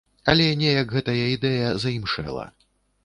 Але неяк гэтая ідэя заімшэла.